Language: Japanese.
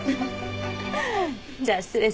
じゃあ失礼します。